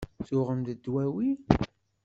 Tuɣem-d dwawi?